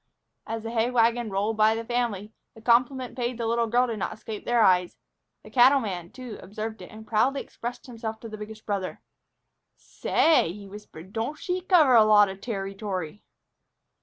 As the hay wagon rolled by the family, the compliment paid the little girl did not escape their eyes. The cattleman, too, observed it, and proudly expressed himself to the biggest brother. "Say!" he whispered, "don't she cover a lot o' terrytory!"